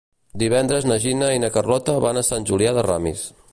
Divendres na Gina i na Carlota van a Sant Julià de Ramis.